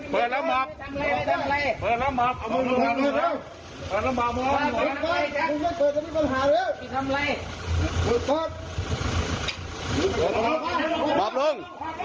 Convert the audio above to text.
บอบลุง